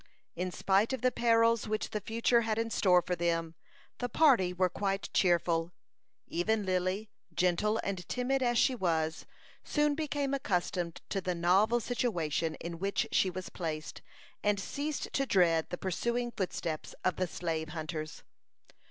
In spite of the perils which the future had in store for them, the party were quite cheerful. Even Lily, gentle and timid as she was, soon became accustomed to the novel situation in which she was placed, and ceased to dread the pursuing footsteps of the slave hunters.